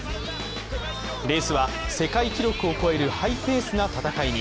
レースは世界記録を超えるハイペースな戦いに。